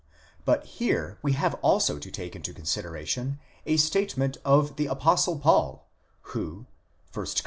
But here we have also to take into consideration a statement of the Apostle Paul, who 1 Cor.